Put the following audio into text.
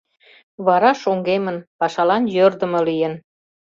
Вара шоҥгемын, пашалан йӧрдымӧ лийын.